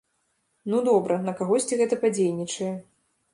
Ну добра, на кагосьці гэта падзейнічае.